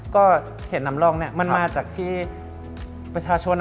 ก็เหตุนำร่องเนี่ยมันมาจากที่ประชาชน